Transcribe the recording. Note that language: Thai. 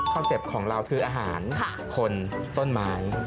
เป็ปต์ของเราคืออาหารคนต้นไม้